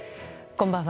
こんばんは。